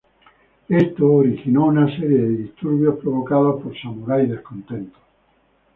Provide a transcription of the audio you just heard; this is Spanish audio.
Esto originó una serie de disturbios provocados por samuráis descontentos.